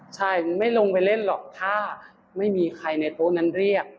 ใช่ไม่ลงไปเล่นหรอกถ้าไม่มีใครในโต๊ะนั้นเรียก